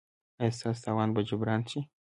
ایا ستاسو تاوان به جبران شي؟